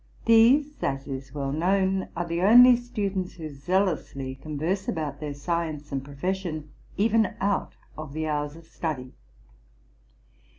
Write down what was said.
These, as is well known, are the only students who zealously converse about their science and profession, even out of the hours of study.